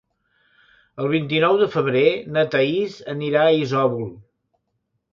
El vint-i-nou de febrer na Thaís anirà a Isòvol.